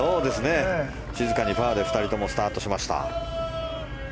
静かにフェアで２人ともスタートしました。